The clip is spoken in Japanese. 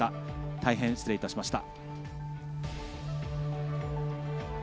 大変、失礼いたしました。